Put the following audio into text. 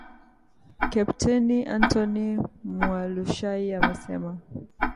Kepteni Antony Mualushayi amesema